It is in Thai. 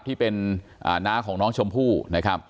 ที่เป็นน้าของน้องชมพู่นะครับ